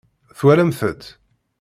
Twalamt-t?